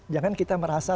jangan kita merasa